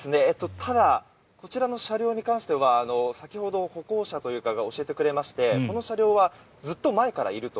ただ、こちらの車両に関しては先ほど歩行者が教えてくれましてこの車両はずっと前からいると。